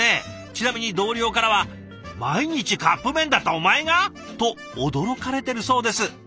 ちなみに同僚からは「毎日カップ麺だったお前が！？」と驚かれてるそうです。